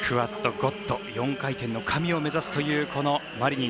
ゴッド４回転の神を目指すというこのマリニン。